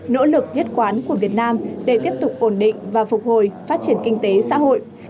nỗ lực nhất quán của việt nam để tiếp tục ổn định và phục hồi phát triển kinh tế xã hội